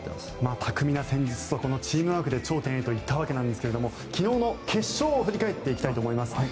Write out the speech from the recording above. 巧みな戦術とチームワークで頂点へというわけですが昨日の決勝を振り返っていきたいと思います。